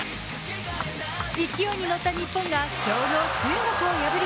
勢いに乗った日本が強豪・中国を破り、